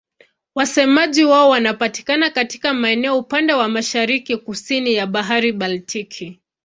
Wasemaji wao wanapatikana katika maeneo upande wa mashariki-kusini ya Bahari Baltiki.